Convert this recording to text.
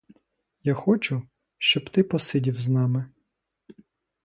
Я хочу, щоб ти посидів з нами.